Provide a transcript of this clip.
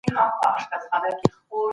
ژوند د برابرۍ نوم دئ